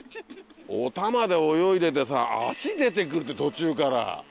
オタマで泳いでてさ脚出て来るって途中から。